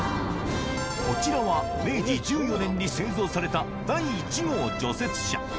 こちらは明治１４年に製造された第１号除雪車。